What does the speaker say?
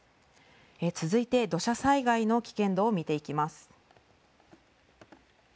続いて土砂災害の危険度を見ていきます。